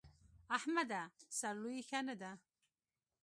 احمده! سر لويي ښه نه ده.